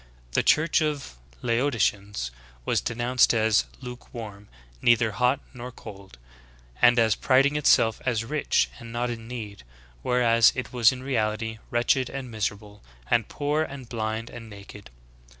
*^ The church of the Laodiceans w^as denounced as "lukewarm," ''neither hot nor cold," and as priding itself as rich and not in need, whereas it was in reality "wretched, and miserable, and poor, and blind, and naked."'